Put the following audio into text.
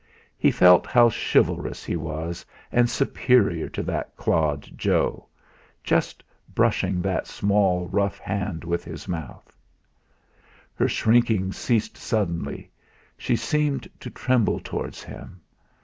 He felt how chivalrous he was, and superior to that clod Joe just brushing that small, rough hand with his mouth I Her shrinking ceased suddenly; she seemed to tremble towards him.